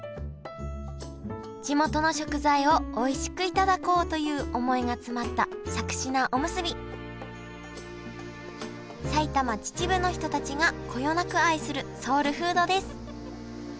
地元の食材をおいしくいただこうという思いが詰まったしゃくし菜おむすび埼玉・秩父の人たちがこよなく愛するソウルフードです